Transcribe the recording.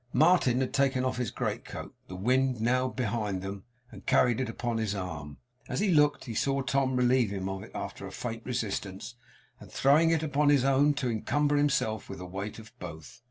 Martin had taken off his greatcoat, the wind being now behind them, and carried it upon his arm. As he looked, he saw Tom relieve him of it, after a faint resistance, and, throwing it upon his own, encumber himself with the weight of both.